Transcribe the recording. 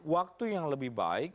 waktu yang lebih baik